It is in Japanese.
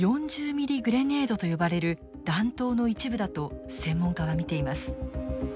ミリグレネードと呼ばれる弾頭の一部だと専門家は見ています。